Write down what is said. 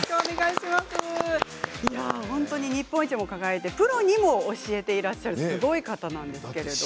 本当に、日本一にも輝いてプロにも教えていらっしゃるすごい方なんですけれど。